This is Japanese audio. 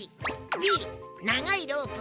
Ｂながいロープ。